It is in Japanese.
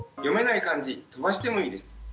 読めない漢字飛ばしてもいいです。